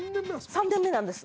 ３年目なんです。